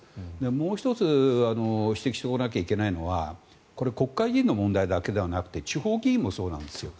もう１つ指摘しておかないといけないのはこれ国会議員の問題だけではなくて地方議員もなんですよ。